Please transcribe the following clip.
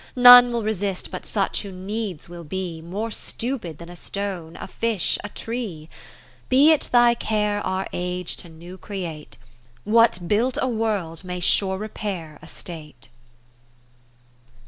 None will resist but such who needs will be Morestupid thanastonc, afish,a tree. To M7\ Henry Lawes Be it thy care our age to new create: What built a World may sure repair a state.